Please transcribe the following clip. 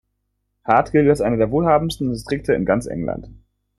Hart gilt als einer der wohlhabendsten Distrikte in ganz England.